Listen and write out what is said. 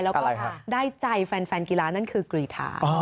แล้วก็ได้ใจแฟนกีฬานั่นคือกรีธา